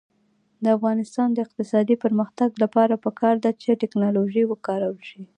د افغانستان د اقتصادي پرمختګ لپاره پکار ده چې ټیکنالوژي وکارول شي.